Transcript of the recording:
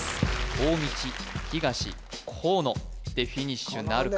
大道東河野でフィニッシュなるか？